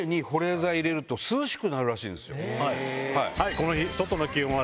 この日。